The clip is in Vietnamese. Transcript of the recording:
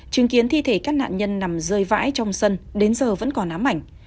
chứng kiến thi thể các nạn nhân nằm rơi vãi trong sân đến giờ vẫn còn ám ảnh